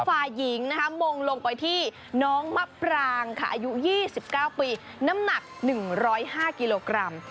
ฝ่ายหญิงนะคะมงลงไปที่น้องมะปรางค่ะอายุยี่สิบเก้าปีน้ำหนักหนึ่งร้อยห้ากิโลกรัม